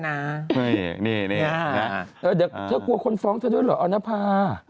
น่ะเดี๋ยวเธอกลัวกล้องฟ้องกันด้วยหรออรัฟพา